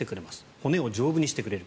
骨を丈夫にしてくれる。